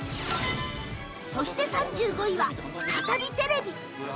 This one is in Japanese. そして３５位は再びテレビ